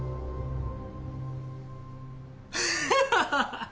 ハハハハッ！